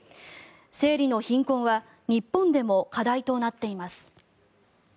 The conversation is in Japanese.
生理の貧困は日本でも課題となっています。